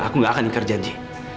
aku gak akan ikat janji